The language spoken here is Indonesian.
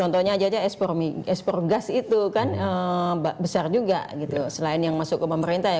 contohnya aja ekspor gas itu kan besar juga gitu selain yang masuk ke pemerintah ya